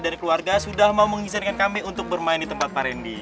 dari keluarga sudah mau mengizinkan kami untuk bermain di tempat pak randy